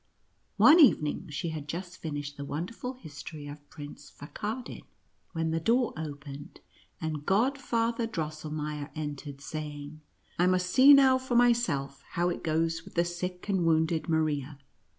* One evening she had just finished the won derful history of *prince Fackardin, when the door opened, and Godfather Drosselmeier en tered, saying, " I must see now for myself how it goes with the sick and wounded Maria."